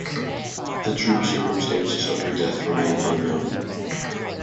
The true circumstances of her death remain unknown.